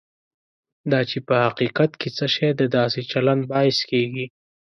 دا چې په حقیقت کې څه شی د داسې چلند باعث کېږي.